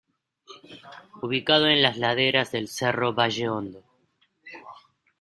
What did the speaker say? Ubicado en las laderas del cerro Valle Hondo.